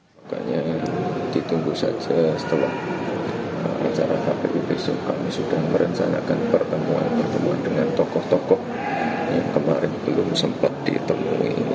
makanya ditunggu saja setelah acara kpu besok kami sudah merencanakan pertemuan pertemuan dengan tokoh tokoh yang kemarin belum sempat ditemui